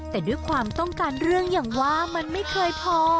แต่ด้วยความต้องการเรื่องอย่างว่ามันไม่เคยพอ